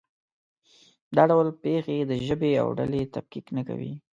دا ډول پېښې د ژبې او ډلې تفکیک نه کوي.